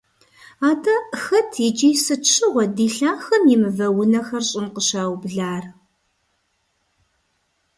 АтIэ хэт икIи сыт щыгъуэ ди лъахэм и мывэ унэхэр щIын къыщаублар?